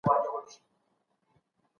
په زر کسه کي ما لره يو سم راځي په مخه